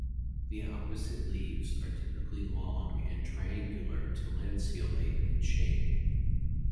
The opposite leaves are typically long and triangular to lanceolate in shape.